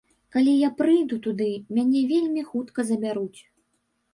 Калі я прыйду туды, мяне вельмі хутка забяруць.